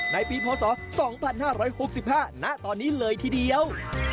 ในปีพศ๒๕๖๕ณตอนนี้เลยทีเดียว